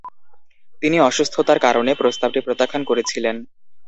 তিনি অসুস্থতার কারণে প্রস্তাবটি প্রত্যাখ্যান করেছিলেন।